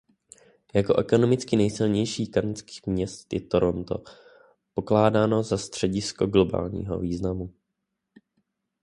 Jako ekonomicky nejsilnější z kanadských měst je Toronto pokládáno za středisko globálního významu.